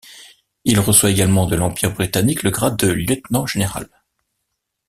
Il reçoit également de l'Empire britannique le grade de lieutenant-général.